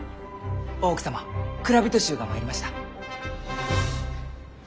大奥様蔵人衆が参りました。